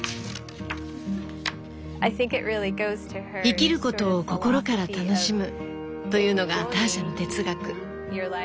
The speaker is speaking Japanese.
生きることを心から楽しむというのがターシャの哲学。